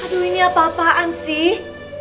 aduh ini apa apaan sih